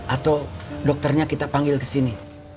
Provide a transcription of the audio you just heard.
atau dokternya kita panggil kesini